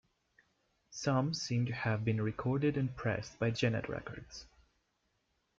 Some seem to have been recorded and pressed by Gennett Records.